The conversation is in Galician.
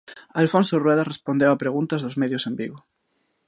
Alfonso Rueda respondeu a preguntas dos medios en Vigo.